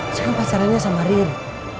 saya kan pacarnya sama riri